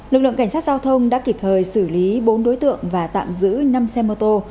lực lượng cảnh sát giao thông đã kịp thời xử lý bốn đối tượng và tạm giữ năm xe mô tô